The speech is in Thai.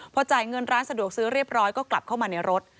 พอจ่ายเงินร้านสะดวกซื้อเรียบร้อยก็กลับเข้ามาในรถ